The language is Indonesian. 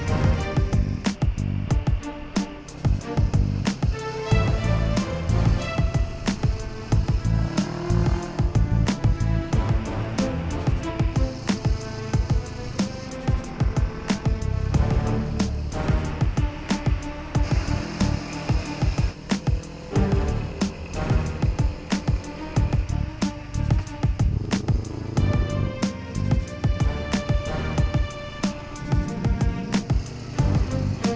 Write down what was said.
aduh terima kasih